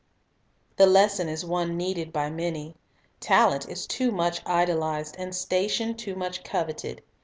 The lesson is one needed by many. Talent is too much idolized, and station too much coveted.